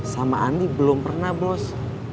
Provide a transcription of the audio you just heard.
sama andi belum pernah bos